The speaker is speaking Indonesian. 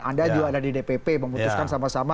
anda juga ada di dpp memutuskan sama sama